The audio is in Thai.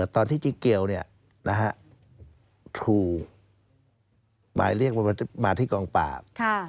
ตอนที่จิ๊กเกียวทูมาที่กองปาก